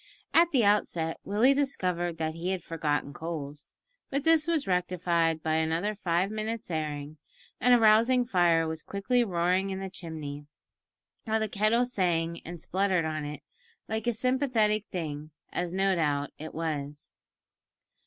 At the outset Willie discovered that he had forgotten coals, but this was rectified by another five minutes' airing, and a rousing fire was quickly roaring in the chimney, while the kettle sang and spluttered on it like a sympathetic thing, as no doubt it was.